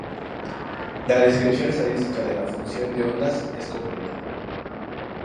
La descripción estadística de la función de ondas es completa.